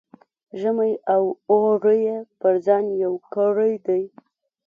ژمی او اوړی یې پر ځان یو کړی دی.